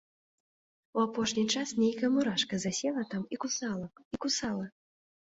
У апошні час нейкая мурашка засела там і кусала, і кусала.